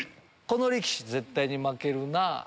この力士絶対に負けるなぁ。